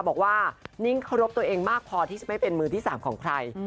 บอกว่านิ้งเคารพตัวเองมากพอที่จะไม่เป็นมือที่๓ของใคร